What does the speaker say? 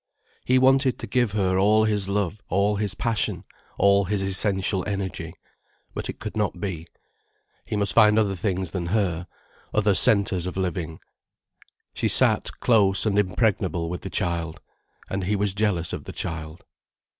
He wanted to give her all his love, all his passion, all his essential energy. But it could not be. He must find other things than her, other centres of living. She sat close and impregnable with the child. And he was jealous of the child.